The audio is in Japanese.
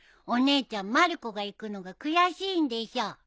お姉ちゃんまる子が行くのが悔しいんでしょ。